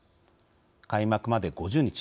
開幕まで５０日